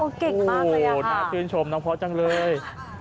เก่งมากโอ้โหน่าชื่นชมน้องพอสจังเลย